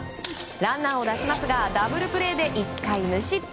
ランナーを出しますがダブルプレーで１回無失点。